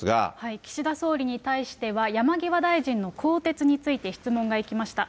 岸田総理に対しては山際大臣の更迭について質問がいきました。